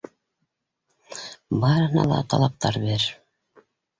Барыһына ла талаптар бер.